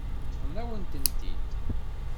Ṭṭfen-awen-tent-id.